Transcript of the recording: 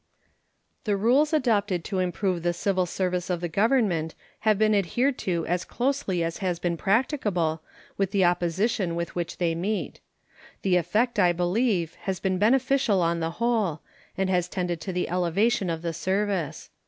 The rules adopted to improve the civil service of the Government have been adhered to as closely as has been practicable with the opposition with which they meet. The effect, I believe, has been beneficial on the whole, and has tended to the elevation of the service.